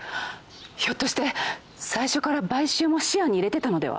ひょっとして最初から買収も視野に入れてたのでは？